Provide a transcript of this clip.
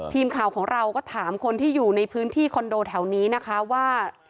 ทีมข่าวของเราก็ถามคนที่อยู่ในพื้นที่คอนโดแถวนี้นะคะว่า